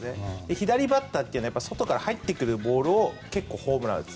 左バッターというのは外から入ってくるボールを結構、ホームランを打つ。